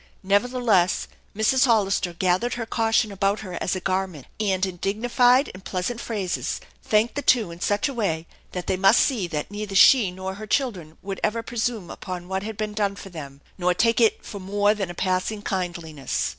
Nevertheless, Mrs. Hollister gathered her caution about her as a garment, and in dignified and pleasant phrases thanked the two in such a way that they must see that neither she nor her children would ever presume upon what had been done for them, nor take it for more than a passing kindliness.